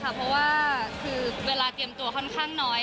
เพราะว่าคือเวลาเตรียมตัวค่อนข้างน้อย